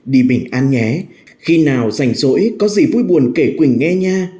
đi mình ăn nhé khi nào rảnh rỗi có gì vui buồn kể quỳnh nghe nha